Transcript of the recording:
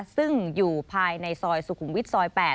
ซึ่งอยู่ภายในซอยสุขุมวิทย์ซอย๘